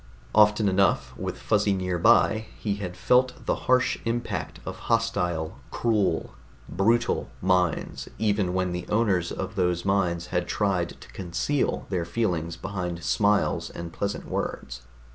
Often enough, with Fuzzy nearby, he had felt the harsh impact of hostile, cruel, brutal minds, even when the owners of those minds had tried to conceal their feelings behind smiles and pleasant words.